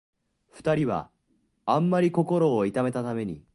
二人はあんまり心を痛めたために、